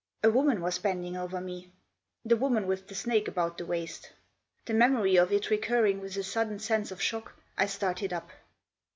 A woman was bending over me ; the woman with the snake about the waist. The memory of it recurring with a sudden sense of shock, I started up.